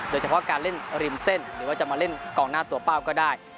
โดยเฉพาะการเล่นริมเส้นหรือว่าจะมาเล่นกองหน้าตัวเป้าก็ได้